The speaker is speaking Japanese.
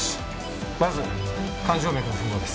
まず肝静脈の吻合です。